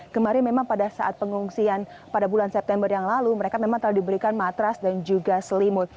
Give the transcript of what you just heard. kemarin memang pada saat pengungsian pada bulan september yang lalu mereka memang telah diberikan matras dan juga selimut